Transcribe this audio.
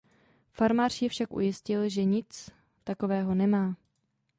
Farmář je však ujistil, že nic takového nemá.